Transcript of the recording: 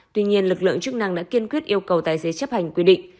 tuy nhiên lực lượng chức năng đã kiên quyết yêu cầu tài xế chấp hành quy định